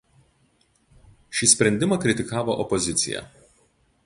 Šį sprendimą kritikavo opozicija.